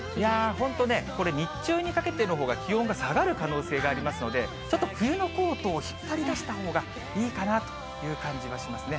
本当ね、これ、日中にかけてのほうが気温が下がる可能性がありますので、ちょっと冬のコートを引っ張り出したほうがいいかなという感じがしますね。